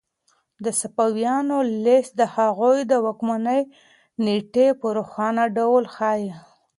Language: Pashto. د صفویانو لیست د هغوی د واکمنۍ نېټې په روښانه ډول ښيي.